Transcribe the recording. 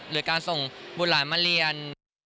หรือการส่งบุตรหลานมาเรียน